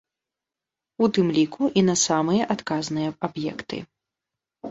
У тым ліку і на самыя адказныя аб'екты.